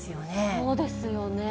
そうですよね。